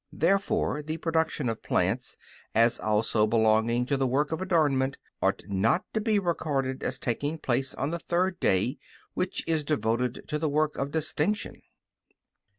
Therefore the production of plants, as also belonging to the work of adornment, ought not to be recorded as taking place on the third day, which is devoted to the work of distinction.